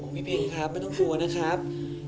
พี่เพนครับไม่ต้องห่วงนะครับ